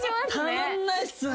たまんないっすね。